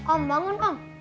om bangun om